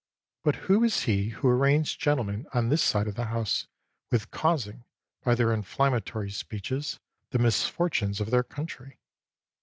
But who is he who arraigns gentlemen on this side of the House with causing, by their inflam matory speeches, the misfortunes of their coun try?